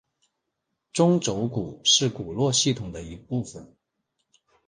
中轴骨是骨骼系统的一部分。